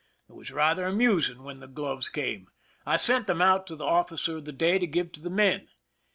It was rather amus ing when the gloves came. I sent them out to the officer of the day to give to the men.